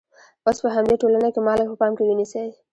اوس په همدې ټولنه کې مالګه په پام کې ونیسئ.